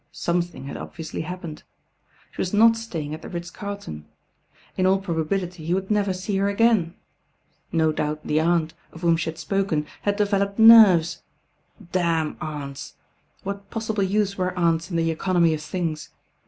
Something had obviously happened. She was not staying at the Ritz Carlton In all probability he would never see her again. No doubt the aunt, of whom she had spoken, had developed nerves. Damn aunts I What possible use were aunts in the economy of things?